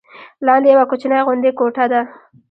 لاندې یوه کوچنۍ غوندې کوټه ده.